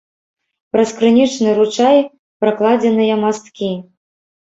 Праз крынічны ручай пракладзеныя масткі.